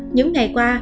những ngày qua